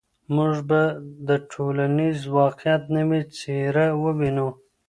موږ به د ټولنیز واقعیت نوې څېره ووینو.